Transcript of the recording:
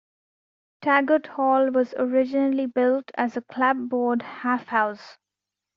Taggart Hall was originally built as a clapboard "half-house".